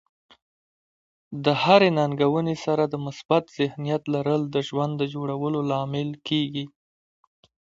د هرې ننګونې سره د مثبت ذهنیت لرل د ژوند د جوړولو لامل کیږي.